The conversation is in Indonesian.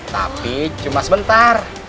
tapi cuma sebentar